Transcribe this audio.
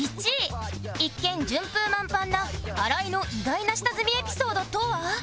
一見順風満帆な新井の意外な下積みエピソードとは